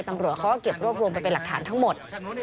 ตำรวจเขาก็เก็บรวบรวมไปเป็นหลักฐานทั้งหมด